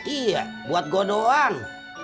iya buat gue doang